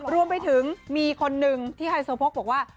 รวมไปถึงมีคนหนึ่งที่บอกว่า